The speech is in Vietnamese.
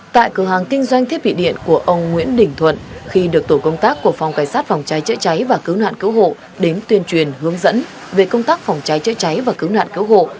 tại cửa hàng kinh doanh thiết bị điện của ông nguyễn đình thuận khi được tổ công tác của phòng cảnh sát phòng cháy chữa cháy và cứu nạn cứu hộ đến tuyên truyền hướng dẫn về công tác phòng cháy chữa cháy và cứu nạn cứu hộ